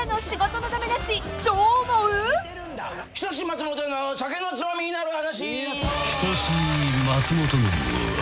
『人志松本の酒のツマミになる話』